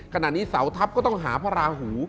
ขณะนี้เสาทัพก็ต้องหาพระราหู